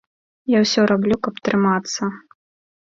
Я ўсё раблю, каб трымацца.